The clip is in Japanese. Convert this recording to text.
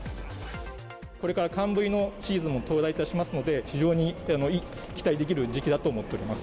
これから寒ブリのシーズンも到来いたしますので、非常に期待できる時期だと思っております。